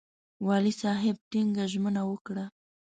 والي صاحب ټینګه ژمنه وکړه.